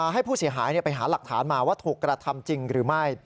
ให้ผู้เสียหายไปหาหลักฐานมาว่าถูกกระทำจริงหรือไม่